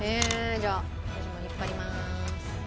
じゃあ私も引っ張ります。